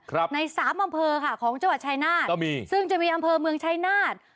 ครับในสามอำเภอค่ะของจังหวัดชายนาฏก็มีซึ่งจะมีอำเภอเมืองชายนาฏ